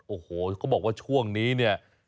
โอ้โหเขาบอกว่าช่วงนี้เนี่ย